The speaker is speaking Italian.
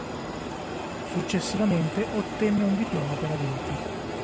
Successivamente ottenne un diploma per adulti.